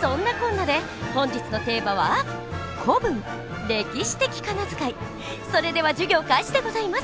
そんなこんなで本日のテーマはそれでは授業開始でございます。